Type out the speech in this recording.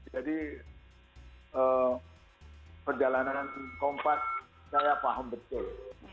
jadi perjalanan kompas saya paham betul